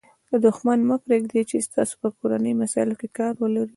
دوښمن مه پرېږدئ، چي ستاسي په کورنۍ مسائلو کښي کار ولري.